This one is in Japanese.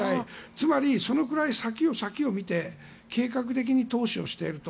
つまり、そのくらい先を見て計画的に投資をしていると。